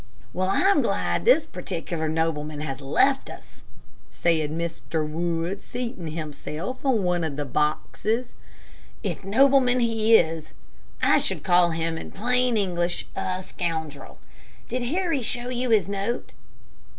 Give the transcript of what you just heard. "Well, I'm glad this particular nobleman has left us," said Mr. Wood, seating himself on one of the boxes, "if nobleman he is. I should call him in plain English, a scoundrel. Did Harry show you his note?"